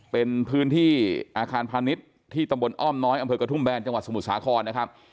เป็นพื้นที่อาคารพาณิชย์ที่ตำบลอ้อมน้อยอำเภอกระทุ่มแบนจังหวัดสมุทรสาครนะครับ